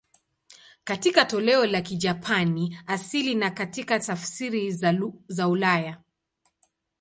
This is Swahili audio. Katika toleo la Kijapani asili na katika tafsiri za ulaya.